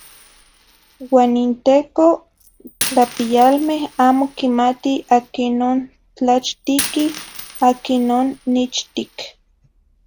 Uan nintecoh n tlahpiyalmeh amo quimati aquinoh n tlachtiqui, aquinoh nichtic.